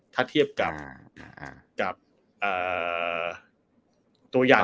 ถ้าเทียบกับตัวอย่าง